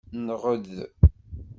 Nɣed.